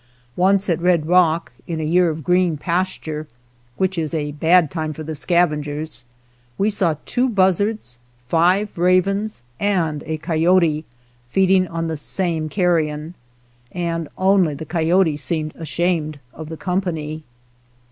Once at Red Rock, in a year of green pasture, which is a bad 54 THE SCAVENGERS time for the scavengers, we saw two buz zards, five ravens, and a coyote feeding on the same carrion, and only the coyote seemed ashamed of the company.